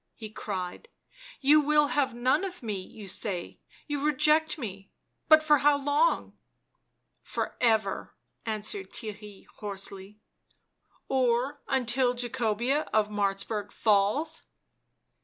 he cried. " You will have none of me, you say, you reject me ; but for how long?" " For ever," answered Theirry hoarsely. " Or until Jaeobea of Martzburg falls."